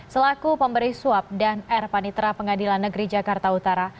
selaku pemberi suap dan r panitra pengadilan negeri jakarta utara